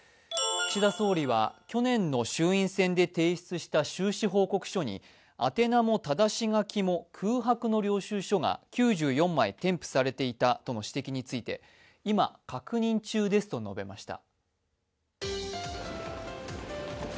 岸田総理は去年の衆院選で提出した収支報告書に宛名もただし書きも空白の領収書が９４枚添付されていたとの指摘について、今、確認中ですと述べました。